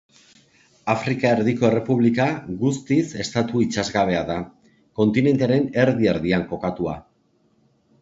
Afrika Erdiko Errepublika guztiz estatu itsasgabea da, kontinentearen erdi-erdian kokatua.